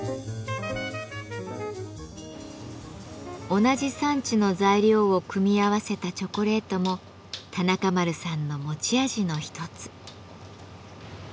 同じ産地の材料を組み合わせたチョコレートも田中丸さんの持ち味の一つ。